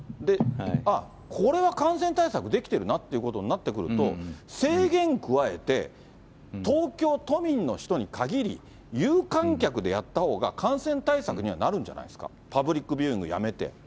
あっ、これは感染対策できてるなってなってくると、制限加えて、東京都民の人に限り、有観客でやったほうが感染対策にはなるんじゃないですか、パブリックビューイングやめて。